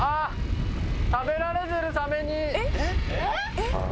えっ？